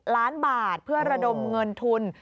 ล้านบาทเพื่อระดมเงินทุน